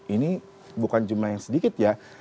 ini bukan jumlah yang sedikit ya